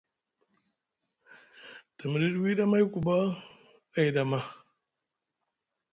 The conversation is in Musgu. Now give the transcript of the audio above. Te miɗiɗi wiɗi Amayku ɓa ayɗi ama.